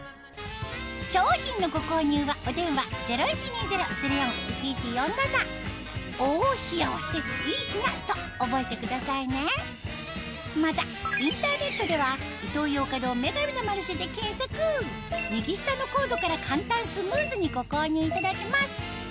商品のご購入はお電話０１２０−０４−１１４７と覚えてくださいねまたインターネットでは右下のコードから簡単スムーズにご購入いただけます